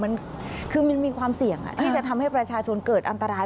มันคือมันมีความเสี่ยงที่จะทำให้ประชาชนเกิดอันตราย